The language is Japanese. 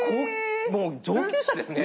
もう上級者ですね。